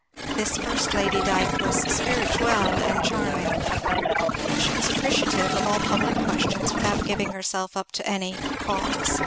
This first Lady Dilke was spirituelle and charming ; she was appreciative of all public questions without giving herself up to any *' Cause.